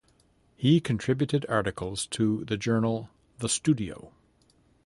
He contributed articles to the journal The Studio.